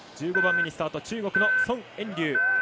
１５番目にスタートは中国の孫艶龍。